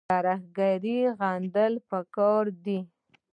ترهګري غندل پکار دي